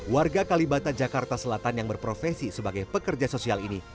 warga kalibata jakarta selatan yang berprofesi sebagai pekerja sosial ini